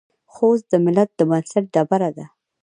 خوست د ملت د بنسټ ډبره ده.